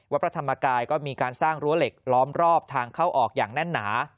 พระธรรมกายก็มีการสร้างรั้วเหล็กล้อมรอบทางเข้าออกอย่างแน่นหนา